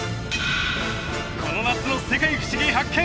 この夏の「世界ふしぎ発見！」